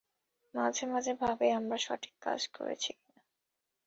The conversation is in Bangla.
মাঝেমাঝে ভাবি আমরা সঠিক কাজ করেছি কিনা।